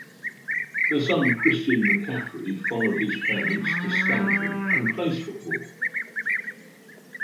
Their son Christian McCaffrey followed his parents to Stanford and plays football.